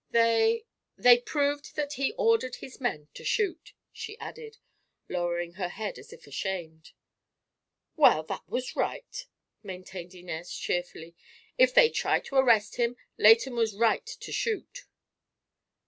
They—they proved that he ordered his men to shoot," she added, lowering her head as if ashamed. "Well, that was right," maintained Inez, cheerfully. "If they try to arrest him, Leighton was right to shoot."